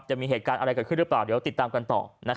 จะมีเหตุการณ์อะไรเกิดขึ้นหรือเปล่าเดี๋ยวติดตามกันต่อ